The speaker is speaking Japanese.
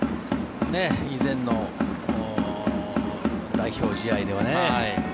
以前の代表試合ではね